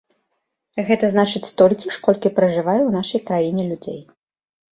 Гэта значыць столькі ж, колькі пражывае ў нашай краіне людзей.